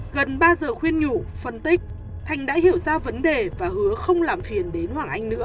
gần ba giờ khuyên nhủ phân tích thành đã hiểu ra vấn đề và hứa không làm phiền đến hoàng anh nữa